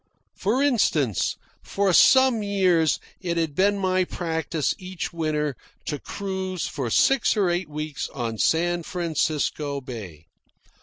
For instance, for some years it had been my practice each winter to cruise for six or eight weeks on San Francisco Bay.